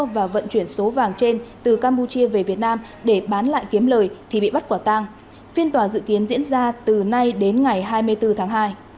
và vận chuyển số vàng trên từ campuchia về việt nam để bán lại kiếm lời thì bị bắt quả tang phiên tòa dự kiến diễn ra từ nay đến ngày hai mươi bốn tháng hai